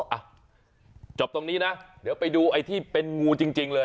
อ่ะจบตรงนี้นะเดี๋ยวไปดูไอ้ที่เป็นงูจริงเลย